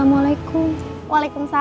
aku kembali ke tempat yang harusnya